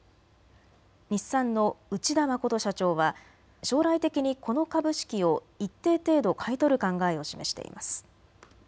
日産の内田誠社長は将来的にこの株式を一定程度買い取る考えを示しています。